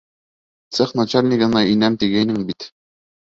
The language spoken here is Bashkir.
Цех начальнигына инәм тигәйнең бит.